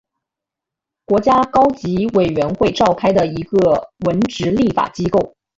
国家高级委员会召开的一个文职立法机构。